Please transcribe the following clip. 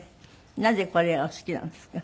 なぜこれがお好きなんですか？